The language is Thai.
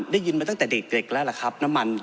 ได้ยินมาตั้งแต่เด็กแล้วล่ะครับ